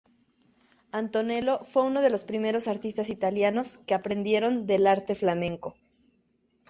Antonello fue uno de los primeros artistas italianos que aprendieron del arte flamenco.